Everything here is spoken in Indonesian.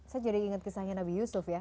saya jadi ingat kisahnya nabi yusuf ya